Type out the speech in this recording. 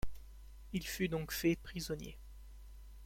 Il fut donc fait prisonnier.